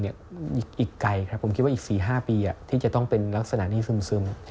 อีกไกลครับผมคิดว่าอีก๔๕ปีที่จะต้องเป็นลักษณะนี้ซึม